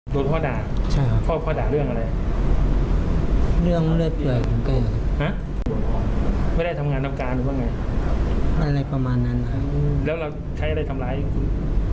แล้วสังเกษียณ